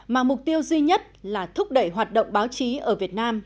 mà mục tiêu duy nhất là thúc đẩy hoạt động báo chí ở việt nam